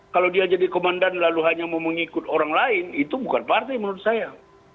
kalau dia jadi komandan lalu hanya mau mengikut orang lain itu bukan partai menurut saya